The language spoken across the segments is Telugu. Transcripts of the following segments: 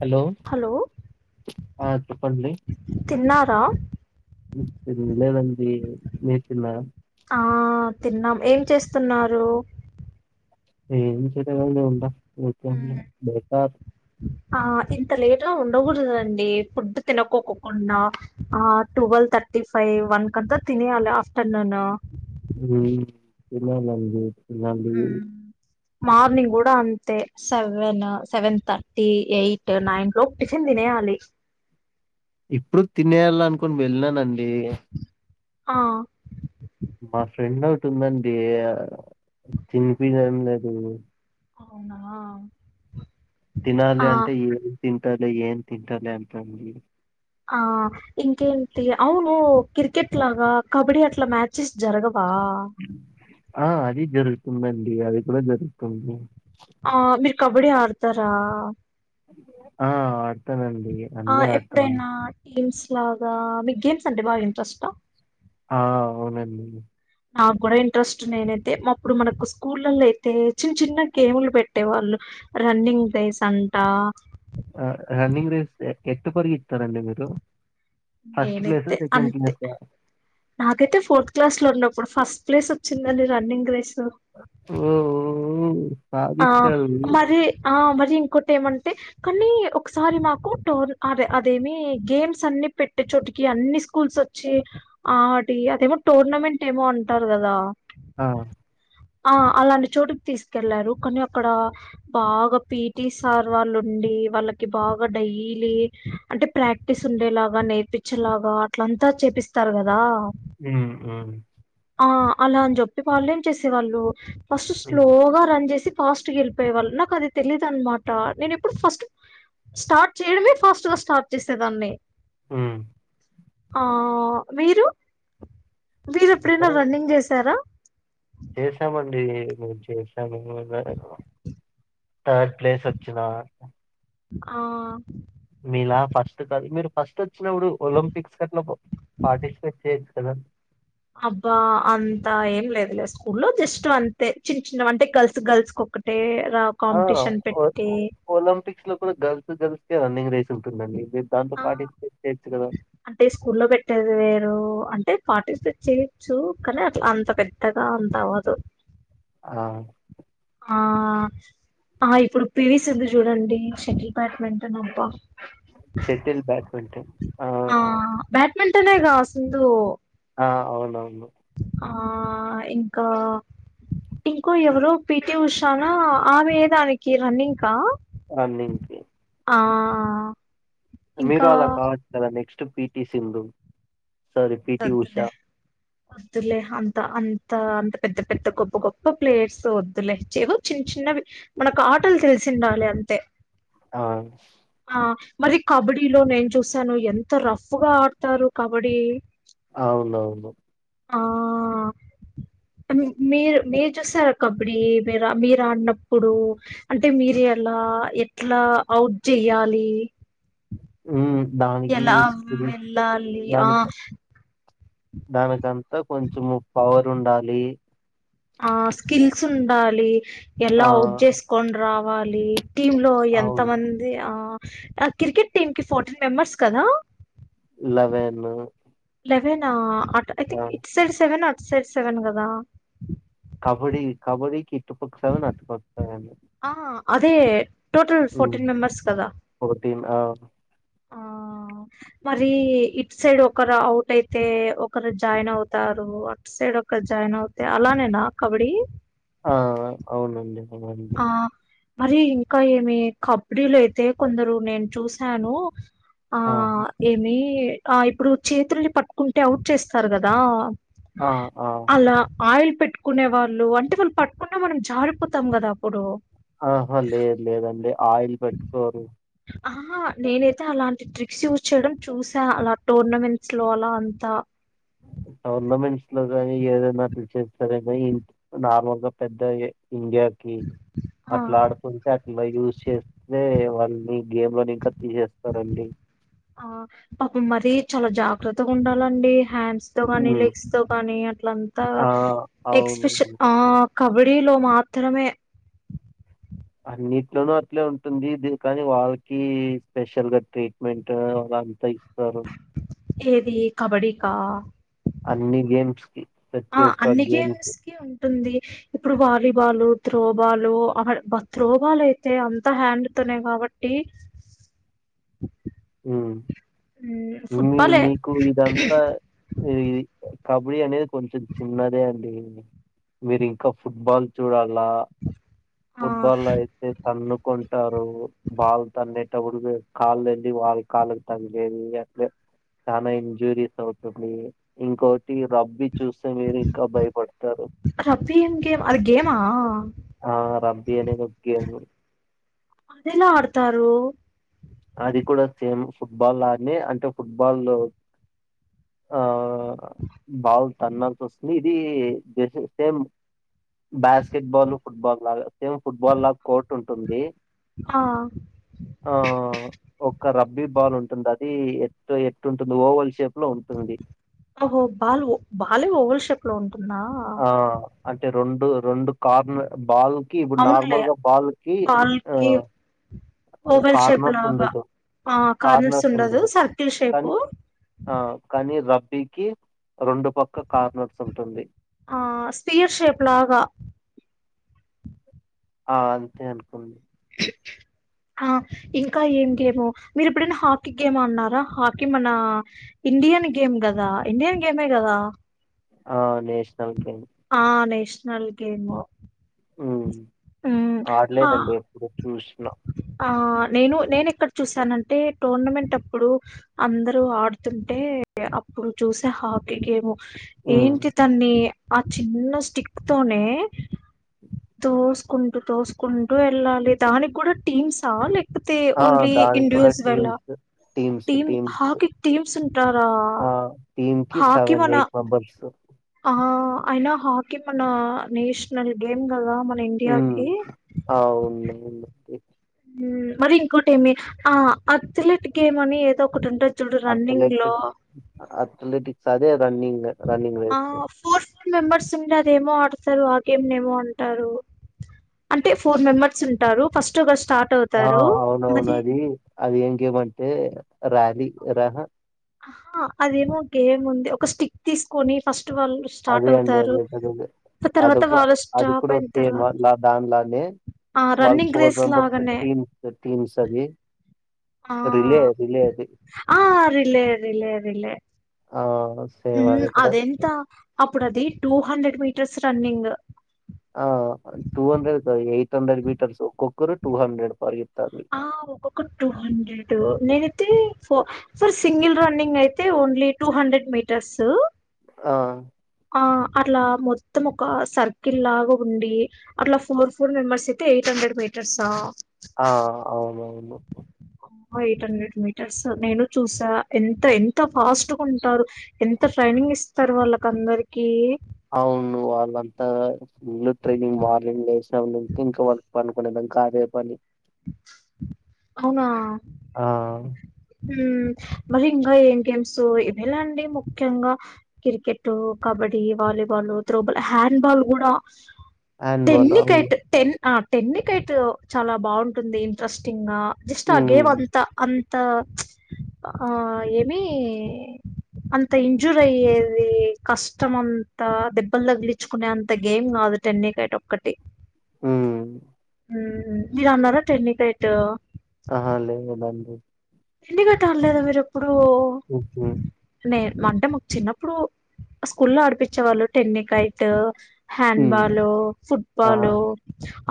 హలో ఆ చెప్పండి తిన్నారా లేదండి మీరు తిన్నారా ఆ తిన్నాం ఏం చేస్తున్నారు ఏం చేయలే ఊరికే ఉంటా [inaudible] బేకార్ ఆ ఇంత లేట్ గా ఉండకూడదండి ఫుడ్ తినకోకుండా ఆ ట్వెల్వ్ థర్టీ ఫైవ్ వన్ క అంతా తినయాలి ఆఫ్టేర్నూన్ హ్మ్ తినాలండి తినాలి మార్నింగ్ కూడా అంతే seven seven thirty eight nine లోపు టిఫిన్ తినేయాలి ఇప్పుడు తినేయాలి అనుకుని వెళ్ళనన్ అండి ఆ ందండి [unintelligible] తినిపిదం లేదు అవునా ఆ తినాలి అంటే ఏ తి తల ఏన్ తింటలే అంతండి ఆ ఇంకేంటి అవును క్రికెట్ లాగా కబడ్డీ అట్లా మ్యాచెస్ జరగ ప ఆ అది జరుగుతుందండి అది కూడా జరుగుతుంది ఆ మీరు కబడ్డీ ఆడతారా ఆ ఆడతానండి అన్నీ ఆడతాను అలాగా మీకు గేమ్స్ అంటే బాగా ఇంటరెస్ట్ ఆహ్ ఆ అవునండి నా కూడా ఇంట్రెస్ట్ నేనైతే అప్పుడు మనకు స్కూళ్లల్లో అయితే చిన్న చిన్న గేమ్లు పెట్టే వాళ్ళు రన్నింగ్ రేస్ అంట ఆ రన్నింగ్ రేస్ ఎట్టు పరిగెత్తుతారండి మీరు ఫస్ట్ ప్లేసా? నేనైతే సెకండ్ అంతే ప్లేసా? నాకైతే ఫోర్త్ క్లాస్ లో ఉన్న ఇప్పుడు ఫస్ట్ ప్లేస్ వచ్చిందండి రన్నింగ్ రేస్ ఓ ఓ ఆ మరి ఆ మ రి ఇంకోటి ఏమంటే కానీ ఒకసారి నాకు టోర్ అదే అదేమి గేమ్స్ అన్ని పెట్టే చోటికి అన్ని స్కూల్స్ వచ్చి ఆటి అదేమో టోర్నమెంట్ ఏమో అంటారు గదా ఆ ఆ అలాంటి చోటుకి తీసుకెళ్లారు కానీ అక్కడ బాగా పీటి సార్ వాళ్ళు ఉండి వాళ్ళకి బాగా డైలీ అంటే ప్రాక్టీస్ ఉండేలాగా నేర్పించేలాగా అట్లంతా చేపిస్తారు గదా ఉమ్ మ్మ్ ఆ అలా అని చెప్పి వాళ్ళు ఏం చేసేవాళ్ళు ఫస్ట్ హ్మ్. స్లోగా రన్ చేసి ఫాస్ట్ గా యేళ్లిపోయేవాళ్ళు నాకు అది తెలీయదనమాట నేను ఎప్పుడు ఫస్ట్ స్టార్ట్ చేయడమే ఫాస్ట్ గా స్టార్ట్ చేసేదాన్ని మ్మ్ ఆ మీరు మీరెప్పుడైనా రన్నింగ్ చేసారా చేశామంటే డీ మేము చేసాను ఇది వరకు థర్డ్ ప్లేస్ వచ్చినా ఆ మీలా ఫస్ట్ కాదు మీరు ఫస్ట్ వచ్చినప్పుడు ఒలింపిక్స్ గట్ల పార్టిసిపేట్ చేయచ్చు కదా అబ్బా అంతా ఏం లేదు లే స్కూలో జస్ట్ అంతే చిన్న చిన్న అంటే గర్ల్స్ గర్ల్స్కి ఒక్కటే రా ఆ కాంపిటీషన్ ఓ పెట్టి ఓలంపిక్స్ లో కూడా గర్ల్స్ గల్స్ రన్నింగ్ రేస్ ఉంటుందండి మీరు దాంట్లో ఆ పార్టిసిపేట్ చేయొచ్చు కదా! అంటే స్కూల్లో పెట్టేది వేరు అంటే అంటే పార్టిసిపేట్ చేయొచ్చు కానీ అట్లా అంత పెద్దగా అంత అవ్వదు ఆ ఆ పా ఇప్పుడు పీవి సిందు చూడండి షటిల్ బ్యాట్మింటన్ అబ్బా షటిల్ బ్యాడ్మింటన్ ఆ వెంటనే గా సిందు ఆ అవునవును ఆ ఇంకా ఇంకో ఎవరో పిటి ఉషానా ఆమె దానికి రన్నింక రన్నింగ్ కి ఆ మీరు ఇంకా అలా కావచ్చు కదా next P V Sindhu sorry PT Usha అద్లే అద్లే అంత అంత త అంత పెద్ద పెద్ద గొప్ప గొప్ప ప్లేయర్స్ వద్దులే ఏవో చిన్న చిన్నవి మనకు ఆటలు తెలిసి ఉండాలి అంతే ఆ హ మరి కబడ్డీ లో నేను చూసాను ఎంత రఫ్ గా ఆడతారు కబడ్డీ అవునవును ఆ మీరు మీరు చూసారా కబడ్డీ మీరు మీరు ఆడినప్పుడు అంటే మీరు ఎలా ఎట్లా అవుట్ చెయ్యాలి ఉ ఎలా వెళ్ళాలి ఆ దానికి దానికంతా కొంచెము పవర్ ఉండాలి ఆ స్కిల్స్ ఉండాలి ఎలా ఆ ఔట్చేసుకొనీ రా వాలి టీమ్ లో ఎంత అవును మంది ఆ క్రికెట్ టీమ్ కి ఫోర్ర్టీన్ మెంబర్స్ కదా లెవెన్ లెవన్ ఆ అటు I think it's side seven or ఇటు సైడ్ సెవెన్ కదా కబడ్డీ కబడ్డీకి ఇటు పక్క సెవెన్ అటు పక్క సెవెన్ ఆ అదే టోటల్ ఫోర్టీన్ మెంబర్స్ కదా ఫోర్టీన్ ఆ మరి ఇటు సైడ్ ఒకరు అవుట్ అయితే ఒకరు జాయిన్ అవుతారు అటు సైడ్ ఒకరు జాయిన్ అవుతే అలానేనా కబడ్డీ ఆ అవునండి [unintelligible] ఆ మరి ఇంకా ఏమి కబడ్డీలు అయితే కొందరు నేను చూసాను ఆ ఏమి ఆ ఇప్పుడు చేతుల్ని పట్టుకుంటే అవుట్ చేస్తారు గదా ఆ ఆ ఆయిల్ పెట్టుకునే వాళ్ళు అంటే వాళ్ళు పట్టుకున్న మనం జారిపోతాం కదా ప్పుడు ఆహ లేదు లేదు లేదండి ఆయిల్ పెట్టుకోరు ఆహహా నేనైతే అలాంటి ట్రిక్స్ యూజ్ చేయడం చూసా అలా టోర్నమెంట్స్ లో అలా అంతా టోర్నమెంట్స్ లో కానీ ఏదైనాట్లు చేస్తార ఇ నార్మల్ గా పెద్ద ఇండియాకి ఆ అట్లా ఆడుతుంటే అట్లా యూస్ చేస్తే వా [unintelligible] గేమ్ లోని ఇంకా తీసేస్తారాండి ఆ పాపం మరీ చాలా జాగ్రత్తగా ఉండాలండి హ్యాండ్ హ్యాండ్స్ తో కానీ ఉమ్, లెగ్స్ తో కానీ అట్లంతా ఆ అవును ఎక్స్ప్రెషన్ ఆ కబడ్డీలో మాత్రమే అన్నిట్లోనూ అట్లే ఉంటుంది ఇది కానీ వాళ్ళకీ స్పెషల్ గా ట్రీట్మెంట్ అది అంతా ఇ ఏది కబడీ కా అన్ని గేమ్స్ కి ఆ ప్రతి ఒక్క అన్ని గేమ్ గేమ్స్ కి ఉంటుంది. ఇప్పుడు వాలీబాలు త్రోబాలు అక్కడ బా త్రోబాలయితే అంత హ్యాండ్తోనే కాబట్టి ఉమ్ మ్ మీ ఫుట్బాలే మీకు ఇదంతా ఇది కబడ్డీ అనేది కొంచెం చిన్నదే అండి. మీరు ఇంకా ఫుట్బాల్ చూడాల్ లా ఆ ఫుట్బాల్లో అయితే తన్నుకుంటారు బాల్ తన్నే [unintelligible] కాళ్ళని వాళ్ళ కాళ్ళకు తగిలేది అట్లే చానా ఇంజూరీస్ అవుతుంది ఇంకో టీ రబ్బీ చూస్తే మీరు ఇంకా భయపడతారు. రబ్బీ ఏం గేమ్ అది గేమా ఆ రబ్బీ అనేది ఒక గేమ్. అదెలా ఆడతారు అది కూడా సేమ్ ఫుట్బాలానే అంటే ఫుట్బాల్లో ఆ ఆ బాల్ తన్నాల్సి వస్తుంది. ఇది సేమ్ బాస్కెట్ బాల్ ఫుట్బాల్ లాగా సేమ్ ఫుట్బాల్ల కోర్ట్ ఉంటుంది. ఆ ఒ ఒక్క రబ్ బి బాల్ ఉంటుందది ఎట్ ఎట్టుంటుంది ఓవెల్ షేప్ లో ఉంటుంది అహో బాల్ ఒ బాలే ఓవల్ షేప్ ప్లోన్ ఆ అంటే రొండు రొండు కార్న్ బాల్ కి ఇప్పుడు అవునులే నార్మల్గా బాల్కి బాల్ ఆ కి ఓవెల్ కార్నర్స్ షేప్లాగా ఉండదు ఆ కార్నర్స్ ఉండదు సర్కిల్ షేపు నీ రబ్బీకి రెండు పక్క కార్నర్స్ ఉంటుంది. ఆ స్పీయర్ షేప్లాగా ఆ అంతే అనుకున్ ఆ ఇంకా ఏం గేమ్ మీరు ఎప్పుడైనా హాకీ గేమ్ అన్నారా హాకీ మన ఇండియన్ గేమ్ గదా ఇండియన్ గేమే గదా ఆ నేషనల్ గే ఆ నేష్ ష్నల్ గేము. మ్మ్ ఆడ్లేదండి ఎప్పుడు చూసిన ఆ నేను నేనెక్కడ చూసానంటే టోర్నమెంట్ అప్పుడు అందరూ ఆడుతుంటే అప్పుడు చూసా హాకీ గేము ఉమ్ ఏంటి తన్ని ఆ చిన్న స్టిక్ తోనే తోసుకుంటూ తోసుకుంటూ యెళ్ళాలి దాని కూడ టీమ్స్ ఆ లే ఆ దానికి కూడా teams teams team teams hockey teams ఉంటారా ఆ టీమ్ కి హాకీ సెవెన్ మన ఎయిట్ మెంబర్స్ ఆ అయినా హాకీ మన నేషనల్ గేమ్ ద మన ఉమ్ ఇండియాకి అవును అవునండి మ్మ్ మరి ఇంకోటి ఏమి ఆ అథ్లెట్ గేమ్ అని ఏదో ఒకటి ఉంట అత్ లెటిక్ అత్ లెటిక్ సదే రన్నింగ్ ఆ రన్నింగ్రేస్ ఫోర్ మెంబర్స్ ఉండి అదేమో ఆడతారు. ఆ గేమ్ ఏమో అంటారు. అంటే ఫోర్ మెంబర్స్ ఉంటారు. ఫస్ట్ గస్ ఆ అవునవును అది అది ఏం గేమ్ ఏ ర్యాలీ రహ ఆహా అదేమో గేమ్ ఉంది. ఒక స్టిక్ తీసుకొని ఫస్ అదే అండి అదేద అది తర్వాత ఒక వాళ్ళు అది స్టాప్ కూడా అయిన సేమ్ తర్వాత అ దానిలానే ఆ వాళ్ళ రన్నింగ్ ఫోర్ రేస్ మెంబర్స్ లాగానే టీమ్స్ టీమ్స్ అది ఆ రిలే రిలే అది ఆ రిలే రిలే రిలే ఆ సేమ్ మ్మ్ కూడా అది ఎంత అప్ ఇప్పుడు అది టూ హండ్రెడ్ మీటర్స్ రన్నింగ్ ఆ టూ హండ్రెడ్ కాదు. ఎయిట్ హండ్రెడ్ మీటర్స్ ఒక్కొక్కరు టూ హండ్రెడ్ పర్ ఆ ఒక్కొక్కరు టూ హండ్రెడ్ నేనిం అయితే ఫ ఫర్ సింగిల్ రన్నింగ్ అయితే ఓన్లీ టూ హండ్రెడ్ మీటర్సు ఆ ఆ అట్ల మొత్తం ఒక సర్కిల్ లాగా ఉండి అట్లా ఫోర్ ఫోర్ మెంబర్స్ అయితే ఎయిట్ హండ్రెడ్ మీటర్సా ఆ అవునవును ఎయిట్ హండ్రెడ్ మీటర్స్ నేను చూసా ఎంత ఎంత ఫాస్ట్ గ ఉంటారు. ఎంత ట్రైనింగ్ ఇస్తారు వాళ్ళకందరికి అవును వాళ్ళంతా ఫుల్ ట్రైనింగ్ మార్నింగ్ లేసిన్నపునుంచి ఇంక వాళ్ళు పనుకునేదంక అదే పని అవునా ఆ హ్మ్ మరి ఇంకా ఏం గేమ్స్ ఇవేలే అండి. ముఖ్యంగా cricket kabaddi volleyball throwball handball గూడ హ్యాండ్ బాల్ అవును. టెన్నికైట్ టెన్ ఆ టెన్నికైట్ చాలా బావుంటుంది ఇంట్రెస్టింగ్ గా జస్ట్ ఆ గేమ్ హ్మ్. అంత అం త మ్చ్ ఆ ఏమీ అంత ఇంజూర్ అయ్యేది. కష్టం అంతా దెబ్బలు తగిలించుకునే అంత గేమ్ కాదు టెన్నికైట్ ఒక్కటి మ్మ్ హ్మ్ మీరు ఆన్నార టెన్నికైట్ ఆహ లేేదు బండి ఎన్నికైట్ ఆల్లేదా మీరెప్పుడు నే [inaudible] అంటే మాకు చిన్నప్పుడు స్కూల్ లో ఆడిపించేవాళ్ళు టెన్నికైట్ హ్యాండ్ హ్మ్. బాలు ఫుట్ ఆహా! బాలు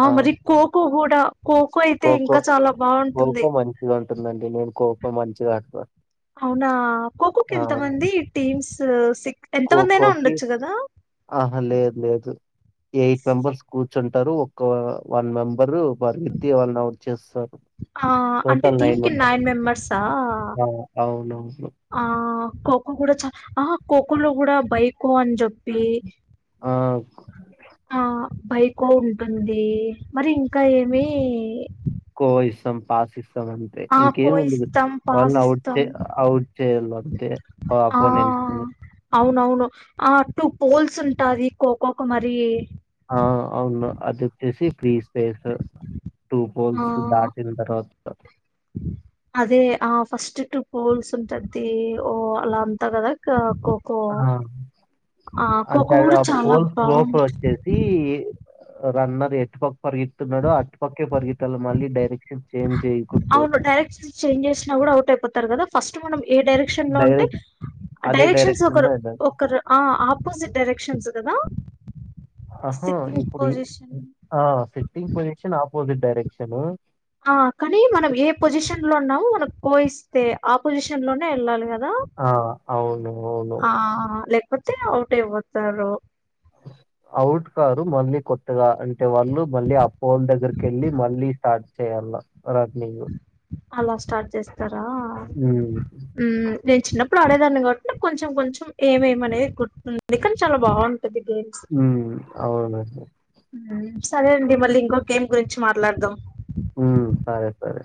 ఆ మరి ఖోఖో కూడా ట ఖోఖో ఖోఖో మంచిగా ఉంటుందండి నేను కో కో మంచిగా ఆడుత అవునా ఖోఖోకి ఎంతమంది టీమ్స్ [unintelligible] సిక్ ఖోఖోకి ఆహా లేదు లేదు ఎయిట్ మెంబర్స్ కూర్చుంటారు ఒక వన్ మెంబరు వారి వ్యక్తి వాళ్ళని అవుట్ చేస్తారు ఆ అంటే టోటల్ టీమ్ కి మెంబర్స్. నైన్ మెంబర్సా ఆ! అవునవును. ఆ ఖోఖో కూడా చ ఆ ఖోఖోలో కూడా బైకో అని చెప్పి ఆ! ఆ బైకో ఉంటుంది మరి ఇంకా ఏమి కో ఇసం పాసిసం త్తం అంతే ఆ ఖో ఇంకేము ఉండదు ఇస్తాం పాస్ వాళ్ళని అవుట్ ఇస్తాం చే అవుట్ చేయాల అంతే ఆ ఆపోనెంట్స్ నీ అవునవును ఆ టూ పోల్స్ ఉంటాది ఖోఖో కి మరి ఆ అవును అది వచ్చేసి పీస్ స్పేస్ టూ ఆ పోల్స్ దాటిన తర్వాత అదే ఆ ఫస్ట్ టూ పోల్స్ ఉంటది ఓ అలా అంత కదా ఖోఖో ఆ ఆ అంటే ఖోఖో కూడా చాలా పోల్ లోపల బాగుంది వచ్చేసి రన్నర్ ఎటు పక్క పరిగేతున్నాడో అటు పక్కే పరిగెత్తాల మళ్ళీ డే ఎక్సిమ్ అవును డైరెక్షన్స్ చేంజ్ చేసినా కూడా అవుట్ అయిపోతారు కదా ఫస్ట్ మనమే ఏ డైరెక్షన్ లో ఉంటే డైరెక్ట్ అదే డైరెక్షన్స్ డైరెక్షన్‌లో ఒకరు ఎళ్ళాలి. ఒకరు ఆ అపు ఆపోసిట్ డైరెక్షన్స్ కదా ఆహా సిట్టింగ్ ఇప్పుడు ఈ పొజిషన్ ఆ సిట్టింగ్ పొజిషన్ అపోజిట్ డైరెక్షన్ ను ఆ కానీ మనం ఏ పొజిషన్ లో ఉన్నామో మనకు కోయిస్తే ఆపోజిషన్ లోనే వెళ్ళాలి కదా ఆ అవును అవును అటే అవుట్ అయిపోతారు అవుట్ కారు మళ్ళీ కొత్తగా అంటే వాళ్ళు మళ్ళీ ఆ పోల్ దగ్గరకి కేళ్ళి మళ్ళీ స్టార్ట్ చేయాల రన్నింగ్ అలా స్టార్ట్ చేస్తారు హ్మ్ నేను చిన్నప్పుడు ఆడేదాన్ని కాబట్టి నాకు కొంచెం కొంచెం ఏమేమినేది గుర్తుందిందు కానీ చాలా బాగుంటంది హ్మ్ అవునండి మ్మ్. సరే అండి మళ్ళీ ఇంకో గేమ్ గురించి మాట్లాడదాం హ్మ్ సరే సరే